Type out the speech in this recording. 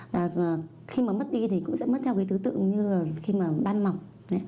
và khi mất đi thì cũng sẽ mất theo thứ tự như ban mọc